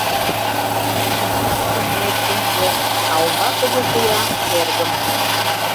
Тӱҥалтышым мый ыштен пуэм, а умбакыже шуя эргым...